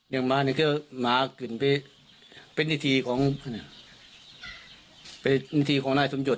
อย่างนี้คือหมากลุ่นไปเป็นนิษฐีของนายสมยด